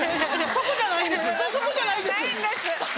そこじゃないんです！